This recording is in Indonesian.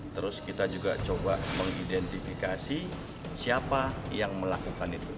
terus kita juga coba mengidentifikasi siapa yang melakukan itu